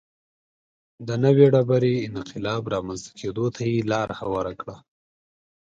د نوې ډبرې انقلاب رامنځته کېدو ته یې لار هواره کړه.